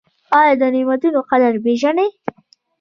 ایا د نعمتونو قدر پیژنئ؟